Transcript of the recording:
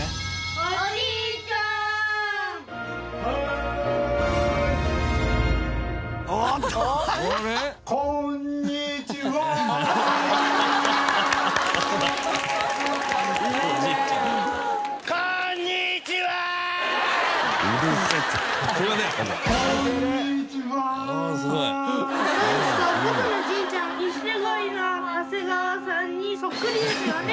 僕のおじいちゃん錦鯉の長谷川さんにそっくりですよね？